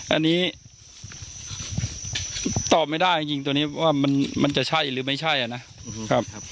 อันนี้ตอบไม่ได้จริงตัวนี้ว่ามันจะใช่หรือไม่ใช่อ่ะนะครับ